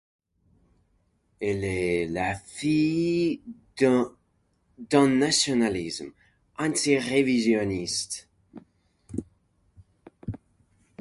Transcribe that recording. Elle est la fille d’un nationalisme antirévisionniste.